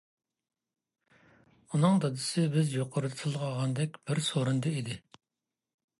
ئۇنىڭ دادىسى بىز يۇقىرىدا تىلغا ئالغاندەك بىر سورۇندا ئىدى.